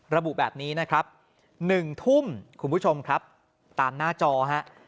ระบุแบบนี้นะครับ๑ทุ่มคุณผู้ชมครับตามหน้าจอฮะ